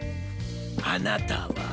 あなたは？